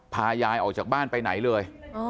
พายายออกจากบ้านไปไหนเลย